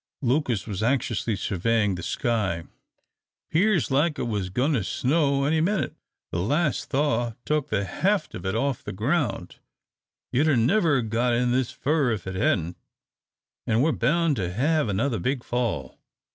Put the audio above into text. Lucas was anxiously surveying the sky. "'Pears like it was goin' to snow any minute. The las' thaw took the heft of it off the ground you'd 'a' never got in this fur if it hadn't an' we're bound to hev another big fall.